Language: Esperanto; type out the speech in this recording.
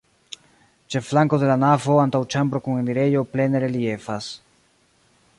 Ĉe flanko de la navo antaŭĉambro kun enirejo plene reliefas.